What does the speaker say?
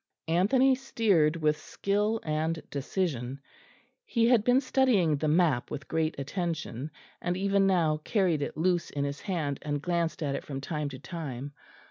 Anthony steered with skill and decision. He had been studying the map with great attention, and even now carried it loose in his hand and glanced at it from time to time.